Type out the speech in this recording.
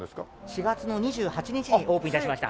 ４月の２８日にオープン致しました。